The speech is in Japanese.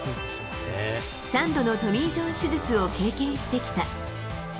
３度のトミー・ジョン手術を経験してきた。